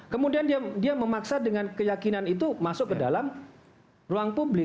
kemudian dia memaksa dengan keyakinan itu masuk ke dalam ruang publik